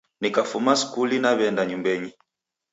Nikafuma skuli naw'eenda nyumbenyi